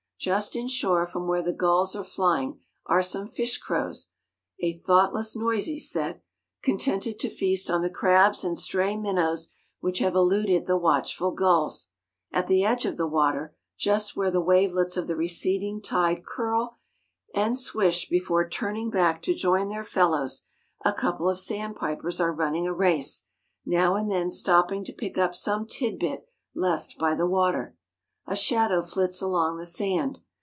Just in shore from where the gulls are flying are some fish crows, a thoughtless, noisy set, contented to feast on the crabs and stray minnows which have eluded the watchful gulls. At the edge of the water, just where the wavelets of the receding tide curl and swish before turning back to join their fellows, a couple of sandpipers are running a race, now and then stopping to pick up some tidbit left by the water. A shadow flits along the sand.